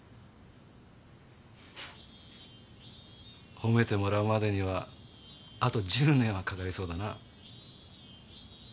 褒めてもらうまでにはあと１０年はかかりそうだな。